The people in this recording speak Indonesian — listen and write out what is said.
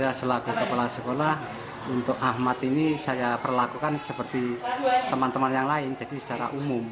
saya selaku kepala sekolah untuk ahmad ini saya perlakukan seperti teman teman yang lain jadi secara umum